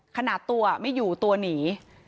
ขนาดตัวไม่อยู่ตัวหนี